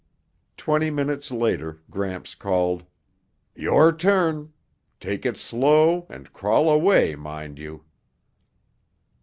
Twenty minutes later Gramps called, "Your turn. Take it slow and crawl away, mind you."